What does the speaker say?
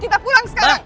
kita pulang sekarang